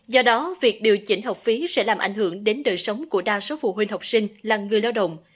do đó việc điều chỉnh học phí sẽ làm ảnh hưởng đến đời sống của đa số phụ huynh học sinh là người lao động